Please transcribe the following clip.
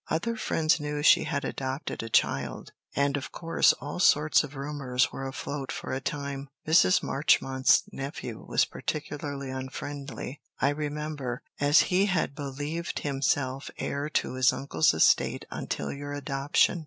Other friends knew she had adopted a child, and of course all sorts of rumours were afloat for a time. Mr. Marchmont's nephew was particularly unfriendly, I remember, as he had believed himself heir to his uncle's estate until your adoption.